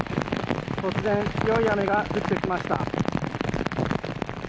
突然強い雨が降ってきました。